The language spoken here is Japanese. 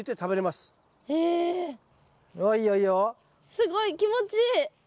すごい気持ちいい。